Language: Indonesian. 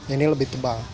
ini lebih tebal